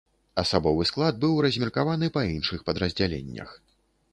Асабовы склад быў размеркаваны па іншых падраздзяленнях.